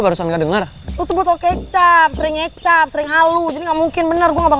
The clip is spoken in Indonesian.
barusan gak dengar kecap sering sering halus nggak mungkin bener gue nggak